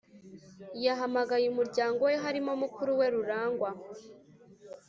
yahamagaye umuryango we harimo mukuruwe rurangwa